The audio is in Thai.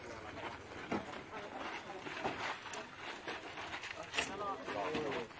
สวัสดีทุกคน